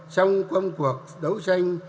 trong công cuộc đấu tranh